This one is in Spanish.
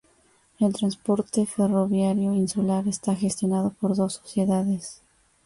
El transporte ferroviario insular está gestionado por dos sociedades.